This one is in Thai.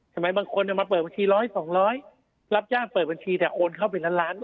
บางคนมาเปิดบัญชีร้อยสองร้อยรับจ้างเปิดบัญชีแต่โอนเข้าไปล้านล้าน